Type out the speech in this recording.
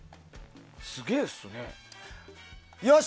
すげえっすね。